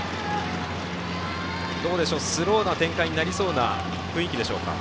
スローな展開になりそうな雰囲気でしょうか？